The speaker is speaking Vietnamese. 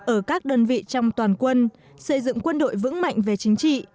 ở các đơn vị trong toàn quân xây dựng quân đội vững mạnh về chính trị